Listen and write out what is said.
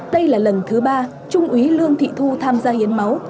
đây là lần thứ ba trung úy lương thị thu tham gia hiến máu